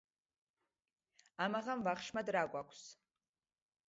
ამაღამ ვახშმად რა გვაქვს.